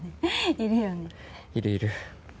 いる、いる。